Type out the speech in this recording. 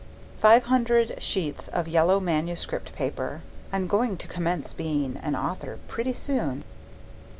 Five hundred sheets of yellow manuscript paper. (I'm going to commence being an author pretty soon.)